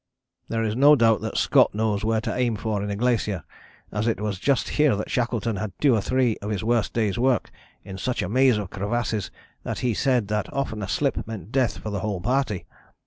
"There is no doubt that Scott knows where to aim for in a glacier, as it was just here that Shackleton had two or three of his worst days' work, in such a maze of crevasses that he said that often a slip meant death for the whole party.